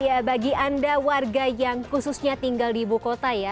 ya bagi anda warga yang khususnya tinggal di ibu kota ya